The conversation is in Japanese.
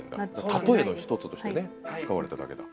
たとえの一つとしてね使われただけだ。